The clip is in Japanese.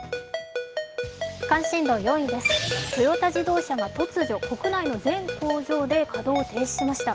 関心度４位です、トヨタ自動車が突如、国内の全工場で稼働を停止しました。